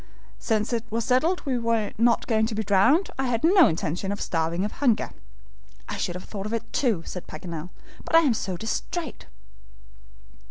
"Since it was settled we were not going to be drowned, I had no intention of starving of hunger." "I should have thought of it, too," said Paganel, "but I am so DISTRAIT."